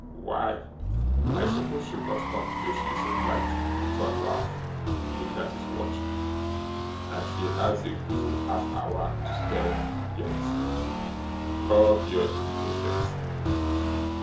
'Why, I suppose she'll not come till she is obliged,' returned Ralph, looking at his watch, 'and she has a good half hour to spare yet. Curb your impatience.